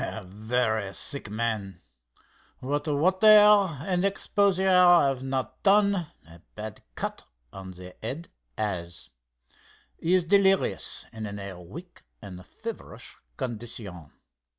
"A very sick man. What water and exposure have not done, a bad cut on the head has. He is delirious and in a weak and feverish condition.